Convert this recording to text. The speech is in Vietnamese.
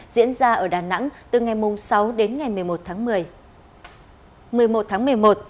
diễn ra ở đà nẵng từ ngày sáu đến ngày một mươi một tháng một mươi